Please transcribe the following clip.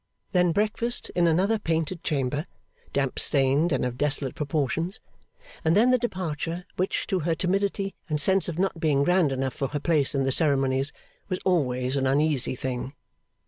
Then breakfast in another painted chamber, damp stained and of desolate proportions; and then the departure, which, to her timidity and sense of not being grand enough for her place in the ceremonies, was always an uneasy thing.